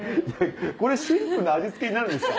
これシンプルな味付けになるんですか？